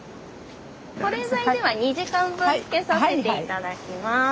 保冷剤では２時間分つけさせて頂きます。